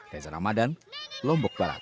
desa ramadhan lombok barat